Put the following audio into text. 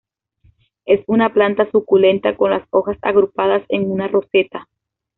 Es una planta suculenta con las hojas agrupadas en una roseta.